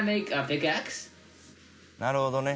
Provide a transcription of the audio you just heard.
なるほどね